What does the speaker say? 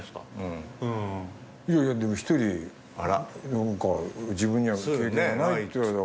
いやいやでも１人自分には経験がないって。